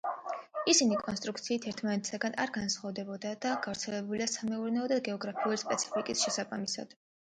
ისინი კონსტრუქციით ერთმანეთისგან არ განსხვავდება და გავრცელებულია სამეურნეო და გეოგრაფიული სპეციფიკის შესაბამისად.